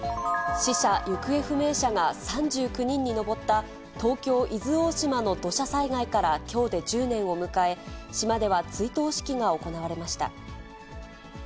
死者・行方不明者が３９人に上った東京・伊豆大島の土砂災害からきょうで１０年を迎え、島では追悼式が行われました。